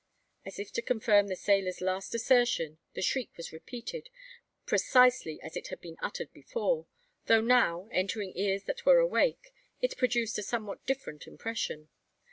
As if to confirm the sailor's last assertion, the shriek was repeated, precisely as it had been uttered before; though now, entering ears that were awake, it produced a somewhat different impression.